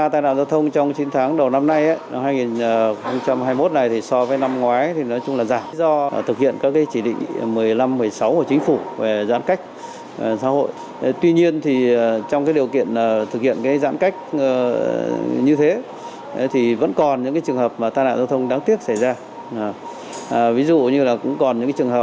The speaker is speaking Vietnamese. trong chín tháng qua bệnh viện một trăm chín mươi tám đã tiếp nhận nhiều trường hợp tai nạn giao thông